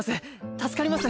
助かります。